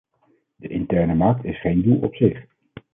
De interne markt is geen doel op zich.